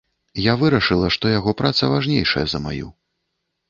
Я вырашыла, што яго праца важнейшая за маю.